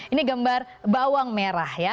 ini gambar bawang merah ya